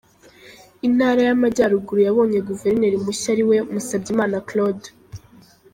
Intara y’amajyaruguru yabonye Guverineri Mushya ariwe Musabyimana Claude.